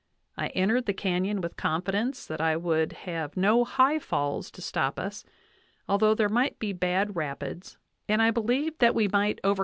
I entered the canyon with confidence that I would have no high falls to stop us,. although there might be bad rapids, and I believed that we might over *Amer. Journ.